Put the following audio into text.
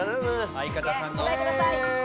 お答えください。